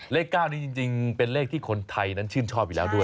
เลข๙นี้จริงเป็นเลขที่คนไทยนั้นชื่นชอบอยู่แล้วด้วย